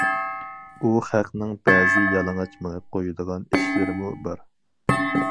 ئۇ خەقنىڭ بەزى يالىڭاچ مېڭىپ قويىدىغان ئىشلىرىمۇ بار.